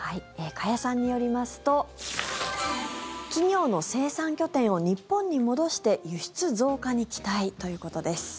加谷さんによりますと企業の生産拠点を日本に戻して輸出増加に期待ということです。